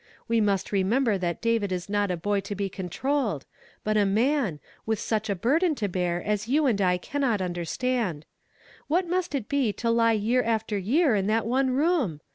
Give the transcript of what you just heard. We must remember that David is not a boy to be controlled, but a man, with sueli a burden to bear as you and I cannot understand. VVhat must it be to lie year after year in that one room!